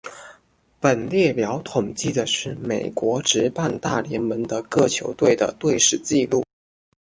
本列表统计的是美国职棒大联盟的各球队的队史纪录。